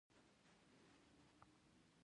تنوع د افغانستان د صادراتو برخه ده.